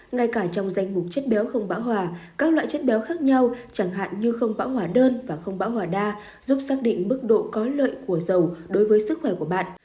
ngay cả trong danh mục chất béo không bão hòa các loại chất béo khác nhau chẳng hạn như không bão hòa đơn và không bão hòa đa giúp xác định mức độ có lợi của dầu đối với sức khỏe của bạn